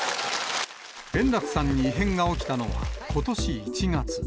円楽さんに異変が起きたのはことし１月。